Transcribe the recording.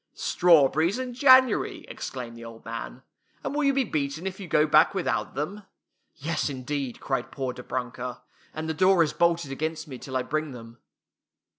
"Strawberries in January!" exclaimed the old man. " And will you be beaten if you go back without them? " "Yes, indeed!" cried poor Dobrunka, " and the door is bolted against me till I bring them."